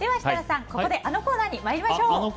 設楽さん、ここであのコーナーに参りましょう。